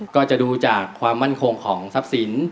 ก็จะดูจากความมั่นคงของทรัพย์สิน